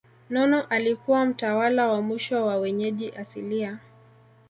Nono alikuwa mtawala wa mwisho wa wenyeji asilia